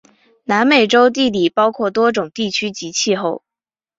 南美洲地理包括多种地区及气候。